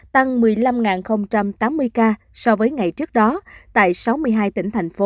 tăng một mươi năm tám mươi ca so với ngày trước đó tại sáu mươi hai tỉnh thành phố